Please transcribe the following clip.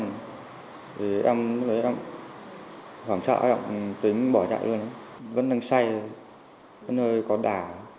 thì em người em khoảng sợ tính bỏ chạy luôn vẫn đang say vẫn hơi có đả